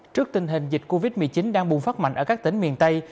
trước tình hình dịch covid một mươi chín đang bùng phát mạnh ở các tỉnh miền tây